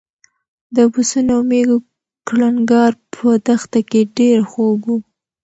د پسونو او مېږو کړنګار په دښته کې ډېر خوږ و.